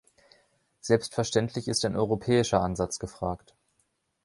Selbstverständlich ist ein europäischer Ansatz gefragt.